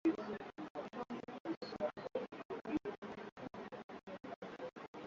gazeti la new york times lilichapisha hadithi ya edward